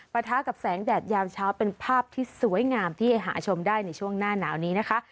ปะทะกับแสงแดดยามเช้าเป็นภาพที่สวยงามที่หาชมได้ในช่วงหน้าหนาวนี้นะคะ